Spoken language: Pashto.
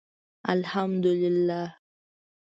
الحمدالله